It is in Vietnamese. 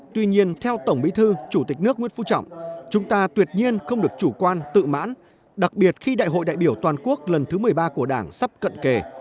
tuy nhiên theo tổng bí thư chủ tịch nước nguyễn phú trọng chúng ta tuyệt nhiên không được chủ quan tự mãn đặc biệt khi đại hội đại biểu toàn quốc lần thứ một mươi ba của đảng sắp cận kề